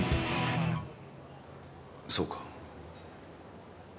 そうか。